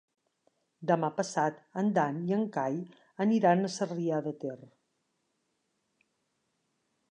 Demà passat en Dan i en Cai aniran a Sarrià de Ter.